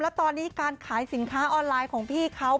แล้วตอนนี้การขายสินค้าออนไลน์ของพี่เขา